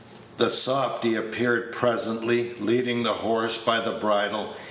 The softy appeared presently, leading the horse by the bridle.